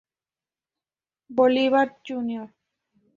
Bolívar, Jr.